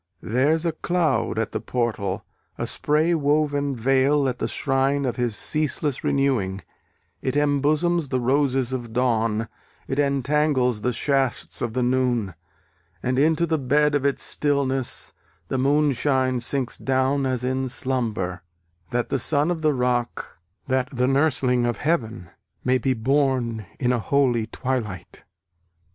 There's a cloud at the portal, a spray woven veil At the shrine of his ceaseless renewing; It embosoms the roses of dawn, It entangles the shafts of the noon, And into the bed of its stillness The moonshine sinks down as in slumber, That the son of the rock, that the nursling of heaven May be born in a holy twilight!